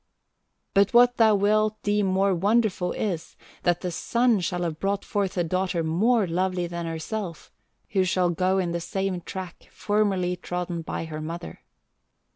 "But what thou wilt deem more wonderful is, that the sun shall have brought forth a daughter more lovely than herself, who shall go in the same track formerly trodden by her mother.